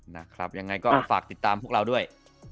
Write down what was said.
นะครับยังไงก็ฝากติดตามพวกเราด้วย